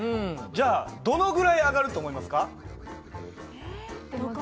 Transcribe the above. じゃあどのぐらい上がると思いますか？